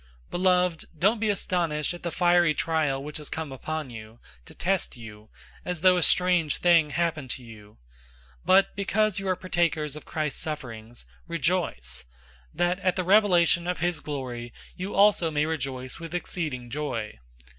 004:012 Beloved, don't be astonished at the fiery trial which has come upon you, to test you, as though a strange thing happened to you. 004:013 But because you are partakers of Christ's sufferings, rejoice; that at the revelation of his glory you also may rejoice with exceeding joy.